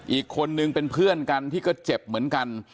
อีกคนนึงเป็นเพื่อนกันที่ก็เจ็บเหมือนกัน